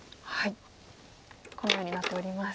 このようになっております。